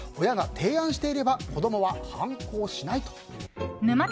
親が提案していれば子供は反抗しないという。